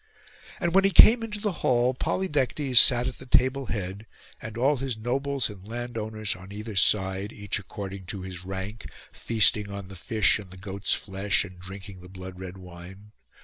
And when he came into the hall, Polydectes sat at the table head, and all his nobles and landowners on either side, each according to his rank, feasting on the fish and the goat's flesh, and drinking the blood red wine.